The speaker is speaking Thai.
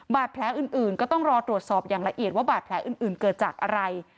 แผลอื่นก็ต้องรอตรวจสอบอย่างละเอียดว่าบาดแผลอื่นเกิดจากอะไร